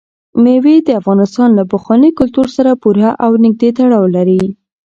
مېوې د افغانستان له پخواني کلتور سره پوره او نږدې تړاو لري.